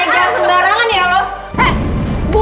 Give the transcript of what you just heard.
jangan sembarangan ya kamu